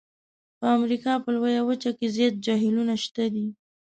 په امریکا په لویه وچه کې زیات جهیلونه شته دي.